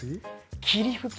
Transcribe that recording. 霧吹き。